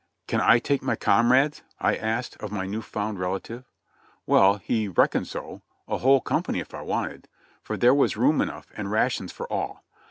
"Can I take my comrades?" I asked of my new found relative. Well, he "reckoned so" — a whole company if I wanted, there was room enough, and rations for all.